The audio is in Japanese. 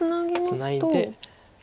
ツナいで。